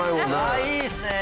あいいですね。